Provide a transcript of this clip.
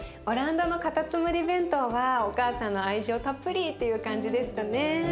オランダのカタツムリ弁当はお母さんの愛情たっぷりっていう感じでしたね。